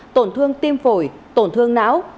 tổn thương tim phổi tổn thương não